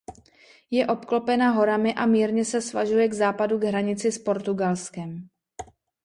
Je obklopena horami a mírně se svažuje k západu k hranici s Portugalskem.